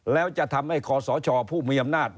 แล้วจะทำให้ขอสอชอผู้มีอำนาจ